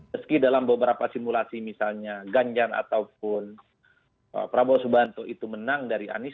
meski dalam beberapa simulasi misalnya ganjar ataupun prabowo subianto itu menang dari anies